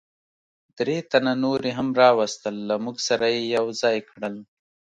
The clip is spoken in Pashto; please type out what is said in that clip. درې تنه نور یې هم را وستل، له موږ سره یې یو ځای کړل.